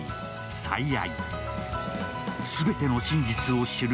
「最愛」。